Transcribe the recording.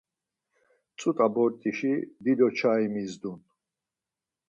Ç̌ut̆a bort̆işi dido çai mizdun.